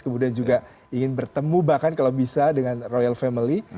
kemudian juga ingin bertemu bahkan kalau bisa dengan royal family